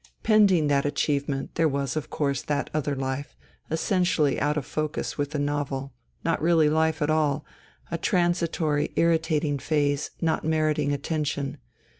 Pending that achieve ment, there was, of course, that other life, essentially out of focus with the novel, not really life at all, a transitory, irritating phase not meriting attention.